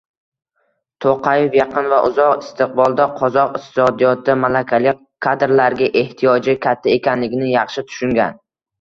Toqayev yaqin va uzoq istiqbolda qozoq istisodiyoti malakali kadrlarga ehtiyoji katta ekanligini yaxshi tushungan.